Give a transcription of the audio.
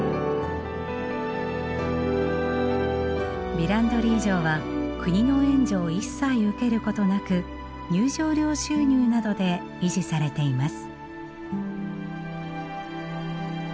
ヴィランドリー城は国の援助を一切受けることなく入場料収入などで維持されています。